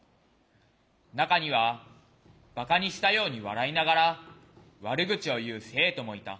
中にはばかにしたように笑いながら悪口を言う生徒もいた。